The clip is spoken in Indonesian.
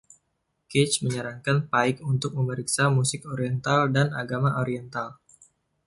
Cage menyarankan Paik untuk memeriksa musik Oriental dan agama Oriental.